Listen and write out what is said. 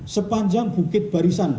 sepanjang bukit barisan